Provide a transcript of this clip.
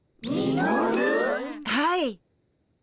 はい。